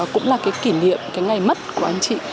cũng là cái kỷ niệm cái ngày mất của anh chị